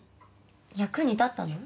役に立ったの？